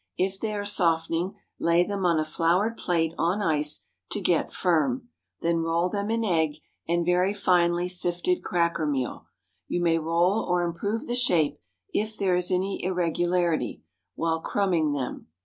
If they are softening, lay them on a floured plate on ice to get firm; then roll them in egg and very finely sifted cracker meal. You may roll or improve the shape, if there is any irregularity, while crumbing them.